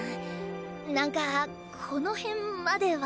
何かこの辺までは。